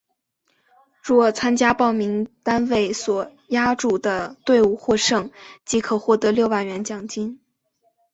若报名参加单位所押注的队伍获胜即可获得六万元奖金。